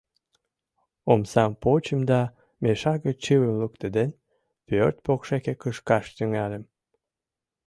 Омсам почым да, мешак гыч чывым луктеден, пӧрт покшеке кышкаш тӱҥальым.